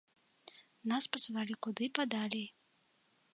Нас пасылалі куды падалей.